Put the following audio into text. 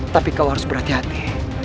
tapi kau harus berhati hati